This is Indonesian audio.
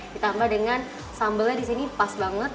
ditambah dengan sambalnya di sini pas banget